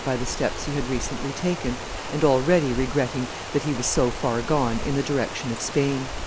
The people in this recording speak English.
by the steps he had recently taken, and already regretting that he was so far gone in the direction of Spain."